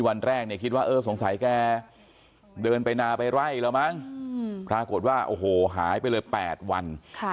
วันแรกเนี่ยคิดว่าเออสงสัยแกเดินไปนาไปไล่แล้วมั้งปรากฏว่าโอ้โหหายไปเลย๘วัน